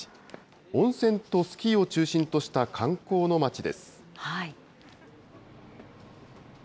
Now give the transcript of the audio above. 温泉とスキーを中心とした観光の町です。